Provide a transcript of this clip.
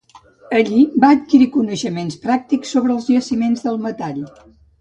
Allí va adquirir coneixements pràctics sobre els jaciments del metall.